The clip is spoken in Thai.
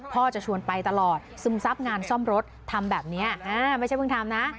จะชวนไปตลอดซึมซับงานซ่อมรถทำแบบนี้ไม่ใช่เพิ่งทำนะ